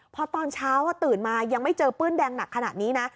พอตอนเช้าตื่นมายังไม่เจอปื้นแดงหนักขนาดนี้นะ